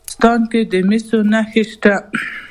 د فراه په ګلستان کې د مسو نښې شته.